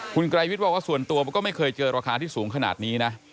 คุณไกรวิทย์บอกว่าส่วนตัวก็ไม่เคยเจอราคาที่สูงขนาดนี้นะ